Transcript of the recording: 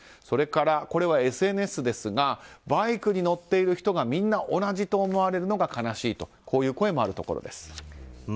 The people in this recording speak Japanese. それから、これはＳＮＳですがバイクに乗っている人がみんな同じと思われるのが悲しいという声もあるところです。